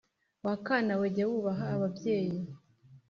Wa kana we, jya wubaha ababyeyi!